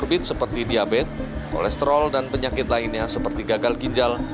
penyakit seperti diabetes kolesterol dan penyakit lainnya seperti gagal ginjal